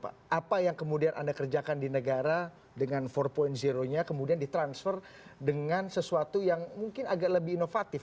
apa yang kemudian anda kerjakan di negara dengan empat nya kemudian ditransfer dengan sesuatu yang mungkin agak lebih inovatif